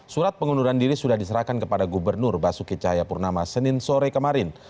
surat pengunduran diri sudah diserahkan kepada gubernur basuki cahayapurnama senin sore kemarin